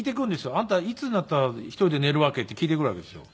「あんたいつになったら一人で寝るわけ？」って聞いてくるわけですよ。